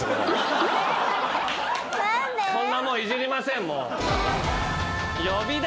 こんなもんいじりませんもう。